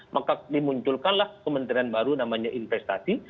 maka dimunculkanlah kementerian baru namanya investasi